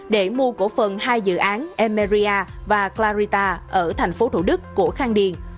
để mua cổ phần hai dự án emeria và clarita ở thành phố thủ đức của khang điền